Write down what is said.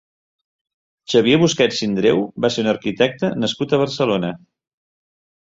Xavier Busquets Sindreu va ser un arquitecte nascut a Barcelona.